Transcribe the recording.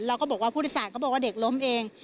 แล้วก็บอกว่าผู้โดยสารเขาบอกว่าเด็กล้มเอง